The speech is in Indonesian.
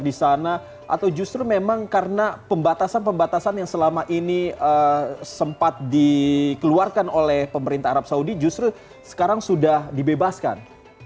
di sana atau justru memang karena pembatasan pembatasan yang selama ini sempat dikeluarkan oleh pemerintah arab saudi justru sekarang sudah dibebaskan